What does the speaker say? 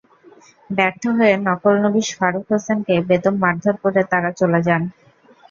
ব্যর্থ হয়ে নকলনবিশ ফারুক হোসেনকে বেদম মারধর করে তাঁরা চলে যান।